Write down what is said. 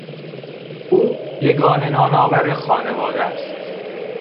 او یگانه نانآور خانواده است.